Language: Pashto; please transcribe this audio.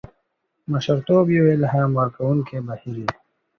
مشرتوب یو الهام ورکوونکی بهیر دی.